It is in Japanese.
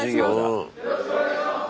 うん。